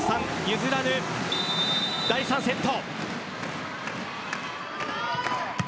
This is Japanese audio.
譲らぬ第３セット。